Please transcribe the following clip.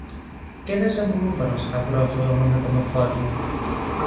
Què desenvolupen els capgrossos en la metamorfosi?